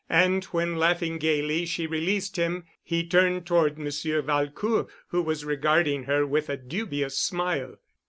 And when laughing gayly she released him, he turned toward Monsieur Valcourt, who was regarding her with a dubious smile.